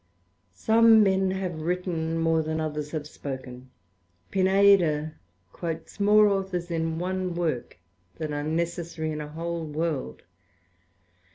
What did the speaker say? Some men have written more than others have spoken; Pineda quotes more Authors in one work, than are necessary in a whole World.